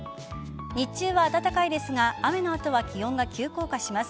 日中は暖かいですが雨の後は気温が急降下します。